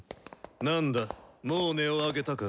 何だもう音を上げたか？